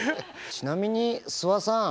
ちなみに諏訪さん